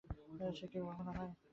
সে কি কখনো হয়?